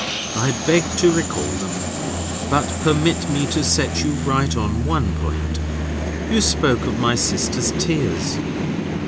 I beg to recall them. But permit me to set you right on one point. You spoke of my sister's tears.